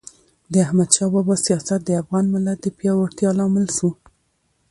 د احمد شاه بابا سیاست د افغان ملت د پیاوړتیا لامل سو.